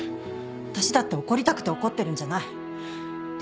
私だって怒りたくて怒ってるんじゃないって言ったよね？